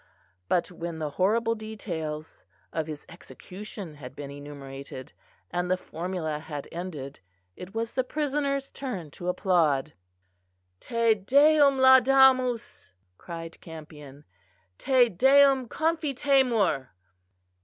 But when the horrible details of his execution had been enumerated, and the formula had ended, it was the prisoner's turn to applaud: "Te Deum laudamus!" cried Campion; "_Te Dominum confitemur.